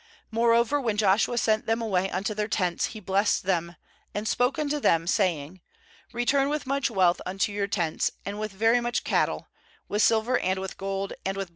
Moreover when Joshua sent them away unto their tents, he blessed them, 8and spoke unto them, saying: 'Return with much wealth unto your tents, and with very much cattle, with sil ver, and with gold, and with brass, These two verses, taken from I Chron.